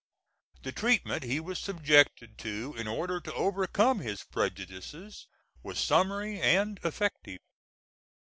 The treatment he was subjected to in order to overcome his prejudices was summary and effective.